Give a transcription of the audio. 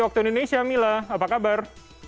waktu indonesia mila apa kabar